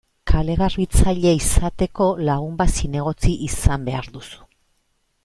Kale-garbitzaile izateko, lagun bat zinegotzi izan behar duzu.